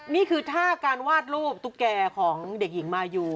นี่คือท่าการวาดรูปตุ๊กแก่ของเด็กหญิงมายู